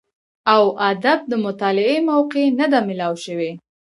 او ادب د مطالعې موقع نۀ ده ميلاو شوې